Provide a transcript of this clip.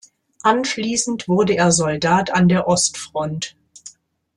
Anschließend wurde er Soldat an der Ostfront.